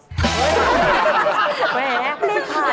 นี่ผ่านเลยนะ